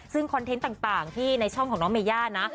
ซึ่งคอนเทนต์ต่างที่ในช่องของน้องเมย่านะ